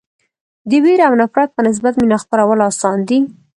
د وېرې او نفرت په نسبت مینه خپرول اسان دي.